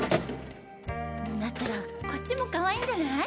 だったらこっちもかわいいんじゃない？